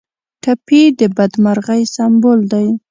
ټپي د بدمرغۍ سمبول دی.